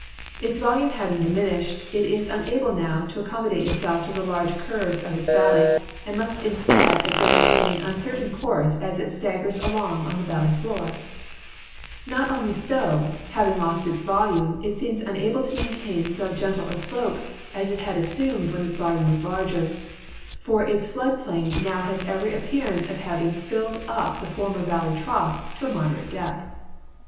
Its volume having diminished, it is unable now to accommodate itself to the large curves of its vallcv and must instead advance in an uncertain course as it staggers along on the valley floor. Not 011I3' so; hiiving lost volume, it seems unable to maintain so gentle a slope as it had assumed when its volume was larger, for its tlood |)lain now has every appearance of hav 232 THE SEINE, THE MEUSE, AND THE MOSELLE ing filled up the former valley trough to a moderate depth.